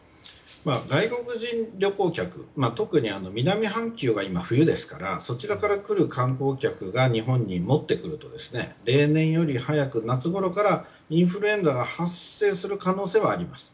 外国人旅行客特に南半球が今冬ですからそちらから来る観光客が日本に持ってくると例年より早く、夏ごろからインフルエンザが発生する可能性はあります。